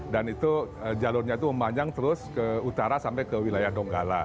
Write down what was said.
itu jalurnya itu memanjang terus ke utara sampai ke wilayah donggala